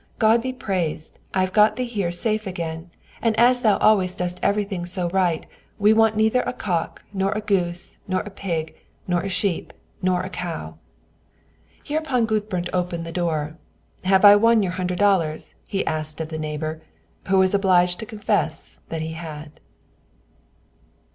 God be praised, I have got thee here safe again, and as thou always dost everything so right, we want neither a cock, nor a goose, nor a pig, nor a sheep, nor a cow." Hereupon Gudbrand opened the door: "Have I won your hundred dollars?" asked he of the neighbor, who was obliged to confess that he had.